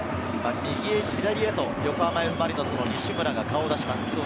右へ左へと横浜Ｆ・マリノスの西村が顔を出します。